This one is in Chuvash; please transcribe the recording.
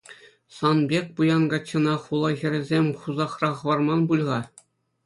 Сан пек пуян каччӑна хула хӗрӗсем хусахра хӑварман пуль-ха?